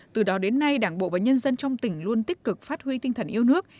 từ đó đến nay đảng bộ và nhân dân trong tỉnh luôn tích cực phát huy tinh thần yêu nước